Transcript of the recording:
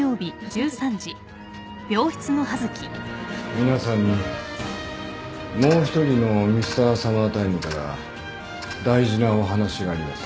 皆さんにもう一人のＭｒ．Ｓｕｍｍｅｒｔｉｍｅから大事なお話があります。